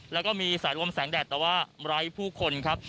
แล้วก็มีสายลมแสงแดดแต่ว่าไร้ผู้คนครับ